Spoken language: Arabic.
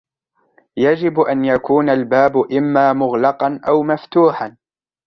يجب أن يكون الباب إما مغلقا أو مفتوحا.